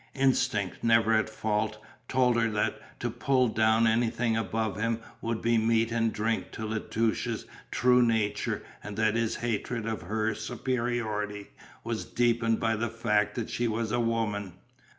Instinct, never at fault, told her that to pull down anything above him would be meat and drink to La Touche's true nature and that his hatred of her superiority was deepened by the fact that she was a woman.